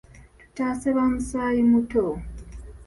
Tutaase bamusaaayi muto.